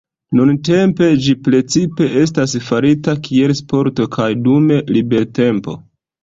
Nuntempe ĝi precipe estas farita kiel sporto kaj dum libertempo.